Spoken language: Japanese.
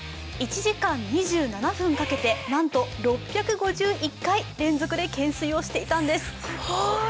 １時間２７分かけてなんと６５１回連続で懸垂をしていたんです。